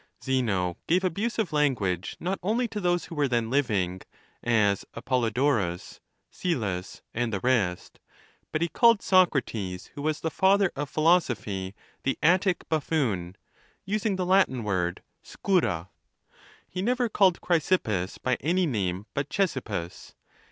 XXXIV. Zeno gave abusive language not only to those who were then living, as Apollodorus, Syllus, and the rest, but he called Socrates, who was the father of philosophy, the Attic buffoon, using the Latin word Scurra. He nev er called Chrysippus by any name but Chesippus.